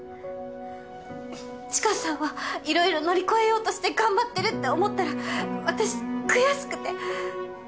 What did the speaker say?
知花さんは色々乗り越えようとして頑張ってるって思ったら私悔しくて。